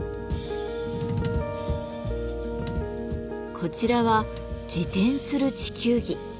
こちらは自転する地球儀。